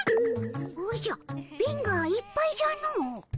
おじゃ貧がいっぱいじゃの。